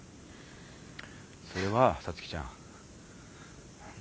それは皐月ちゃん